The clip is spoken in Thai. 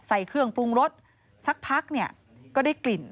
ใส่เครื่องปรุงรสสักพักเนี่ยก็ได้กลิ่น